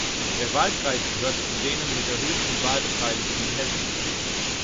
Der Wahlkreis gehört zu denen mit der höchsten Wahlbeteiligung in Hessen.